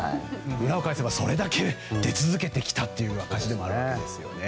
裏を返せばそれだけ出続けてきたという証しでもあるわけですよね。